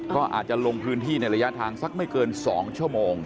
ก็อาจจะลงพื้นที่ในระยะทางสักไม่เกิน๒ชั่วโมง